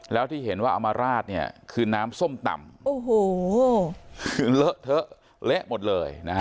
แล้วที่เห็นว่าเอามาราดเนี่ยคือน้ำส้มตำโอ้โหคือเลอะเทอะเละหมดเลยนะฮะ